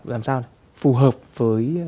làm sao phù hợp với